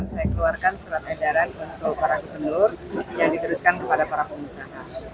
saya keluarkan surat edaran untuk para gubernur yang diteruskan kepada para pengusaha